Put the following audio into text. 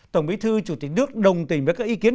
tổng bí thư chủ tịch nước đồng tình với các ý kiến